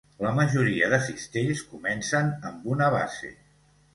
La majoria de cistells comencen amb una base.